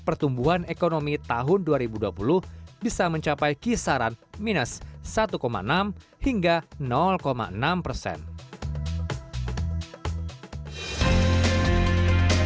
penjualan ekonomi bisa mencapai kisaran minus satu enam hingga enam persen